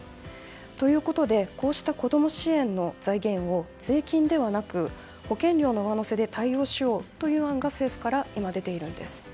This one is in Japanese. ということでこうした子供支援の財源を税金ではなく保険料の上乗せで対応しようという案が政府から今出ているんです。